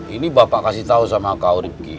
ini bapak kasih tau sama kau